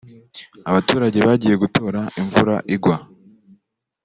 abaturage bagiye gutoraimvura igwa